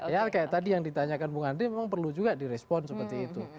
ya kayak tadi yang ditanyakan bung andri memang perlu juga direspon seperti itu